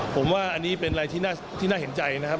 ผมว่าอันนี้เป็นอะไรที่น่าเห็นใจนะครับ